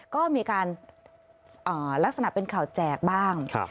ก็มีการลักษณะเป็นข่าวแจกบ้าง